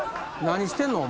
何してんの？